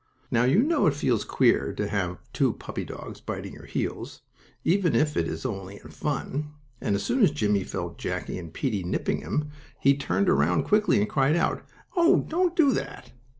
Now you know it feels queer to have two puppy dogs biting your heels, even if it is only in fun, and as soon as Jimmie felt Jackie and Peetie nipping him, he turned around quickly and cried out: "Oh, don't do that!"